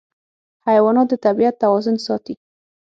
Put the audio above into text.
حیوانات د طبیعت توازن ساتي.